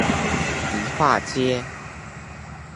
迪化街